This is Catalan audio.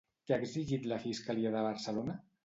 Què ha exigit la Fiscalia de Barcelona?